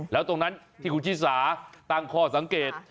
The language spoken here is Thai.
แล้วตรงนั้นที่คุณชิสาตั้งข้อสังเกต